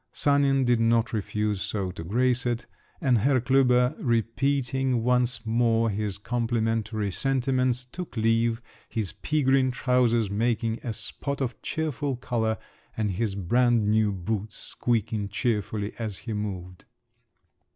Sanin did not refuse so to grace it; and Herr Klüber repeating once more his complimentary sentiments, took leave, his pea green trousers making a spot of cheerful colour, and his brand new boots squeaking cheerfully as he moved.